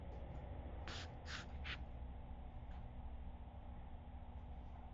Maca ayen i aɣ-ijemɛen.